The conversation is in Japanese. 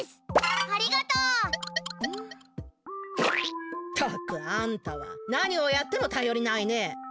ったくあんたは何をやってもたよりないね。